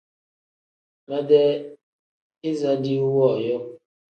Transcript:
Medee iza diiwu wooyo.